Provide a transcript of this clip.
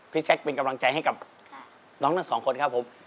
พี่แซ็กเป็นกำลังใจให้กับน้องสองคนครับผม